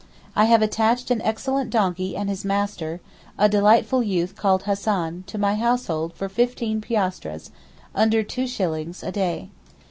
I have attached an excellent donkey and his master, a delightful youth called Hassan, to my household for fifteen piastres (under two shillings) a day.